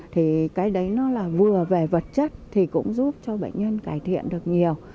thì cái đấy nó là vừa về vật chất thì cũng giúp cho bệnh nhân cải thiện được nhiều